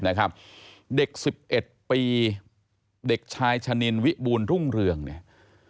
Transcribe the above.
นะครับเด็กสิบเอ็ดปีเด็กชายชะนินวิบูรณ์รุ่งเรืองเนี่ย